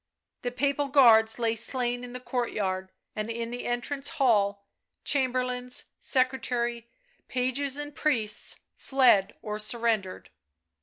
The papal guards lay slain in the courtyard and in the entrance hall ; chamber lains, secretary, pages, and priests, fled or surrendered.